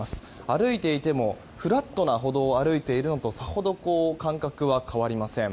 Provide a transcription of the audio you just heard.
歩いていてもフラットな歩道を歩いているのとさほど感覚は変わりません。